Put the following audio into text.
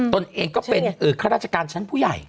ตนเองก็เป็นข้าราชการชั้นผู้ใหญ่